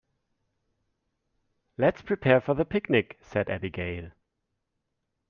"Let's prepare for the picnic!", said Abigail.